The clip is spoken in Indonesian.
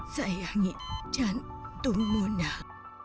sayangi jantungmu nal